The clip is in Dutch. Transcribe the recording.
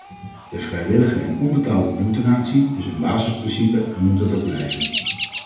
De vrijwillige en onbetaalde bloeddonatie is een basisprincipe en moet dat ook blijven.